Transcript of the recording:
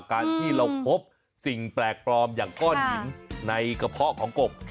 การที่เราพบสิ่งแปลกปลอมอย่างก้อนหินในกระเพาะของกบ